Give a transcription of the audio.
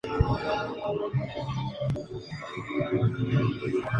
Al expirar su mandato, la economía terminaría bajo el control de los Estados Unidos.